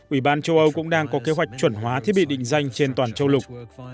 ủy ban châu âu cũng đang có kế hoạch chuẩn hóa thiết bị định danh trên toàn châu lục